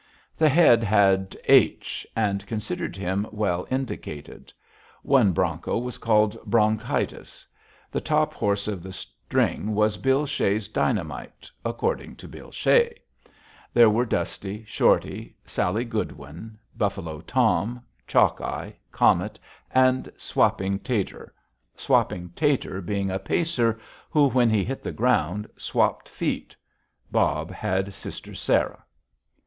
The Head had H , and considered him well indicated. One bronco was called "Bronchitis." The top horse of the string was Bill Shea's Dynamite, according to Bill Shea. There were Dusty, Shorty, Sally Goodwin, Buffalo Tom, Chalk Eye, Comet, and Swapping Tater Swapping Tater being a pacer who, when he hit the ground, swapped feet. Bob had Sister Sarah.